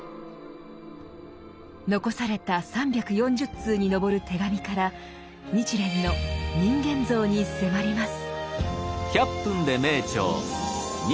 残された３４０通に上る手紙から日蓮の人間像に迫ります。